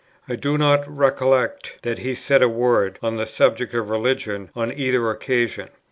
I do not recollect that he said a word on the subject of religion on either occasion.